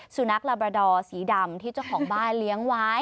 สุนัขลาบาดอร์สีดำที่เจ้าของบ้านเลี้ยงไว้